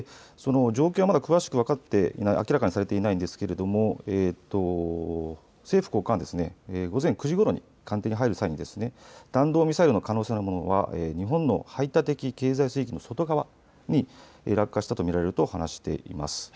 状況は詳しく、明らかにされていないんですけれども政府高官は午前９時ごろに官邸に入る際に弾道ミサイルの可能性があるものは日本の排他的経済水域の外側に落下したと見られると話しています。